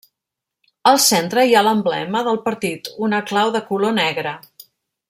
Al centre hi ha l'emblema del partit, una clau de color negre.